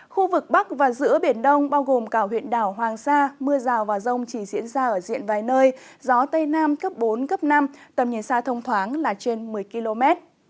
khu vực bắc và giữa biển đông bao gồm cả huyện đảo hoàng sa mưa rào và rông chỉ diễn ra ở diện vài nơi gió tây nam cấp bốn cấp năm tầm nhìn xa thông thoáng là trên một mươi km